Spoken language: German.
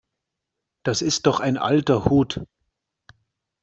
Das ist doch ein alter Hut.